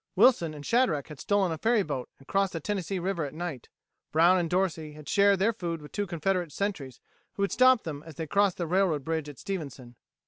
Wilson and Shadrack had stolen a ferryboat and crossed the Tennessee River at night, Brown and Dorsey had shared their food with two Confederate sentries who had stopped them as they crossed the railroad bridge at Stevenson.